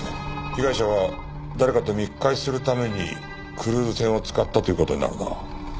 被害者は誰かと密会するためにクルーズ船を使ったという事になるな。